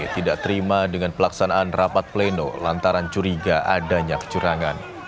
tidak terima dengan pelaksanaan rapat pleno lantaran curiga adanya kecurangan